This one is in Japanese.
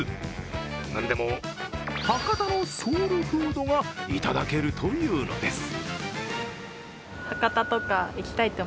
何でも、博多のソウルフードがいただけるというのです。